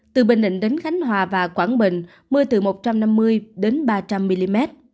từ bình định đến khánh hòa và quảng bình mưa từ một trăm năm mươi đến ba trăm linh mm